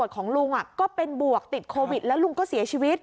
คุณลุงก็เสียชีวิต